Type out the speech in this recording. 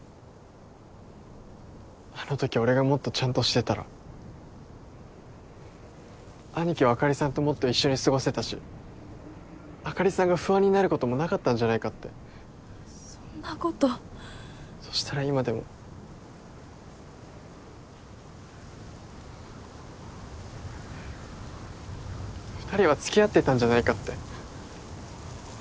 あのとき俺がもっとちゃんとしてたら兄貴はあかりさんともっと一緒に過ごせたしあかりさんが不安になることもなかったんじゃないかってそんなことそしたら今でも二人は付き合ってたんじゃないかってそんなの分かんないよもしもの話したって仕方ないし